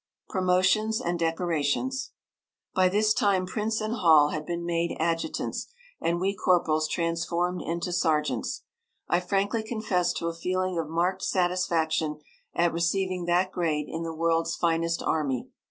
PROMOTIONS AND DECORATIONS By this time Prince and Hall had been made adjutants, and we corporals transformed into sergeants. I frankly confess to a feeling of marked satisfaction at receiving that grade in the world's finest army.